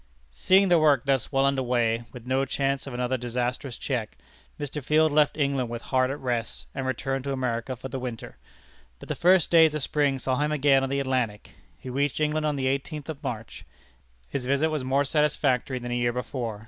Seeing the work thus well under way, with no chance of another disastrous check, Mr. Field left England with heart at rest, and returned to America for the winter. But the first days of spring saw him again on the Atlantic. He reached England on the eighteenth of March. His visit was more satisfactory than a year before.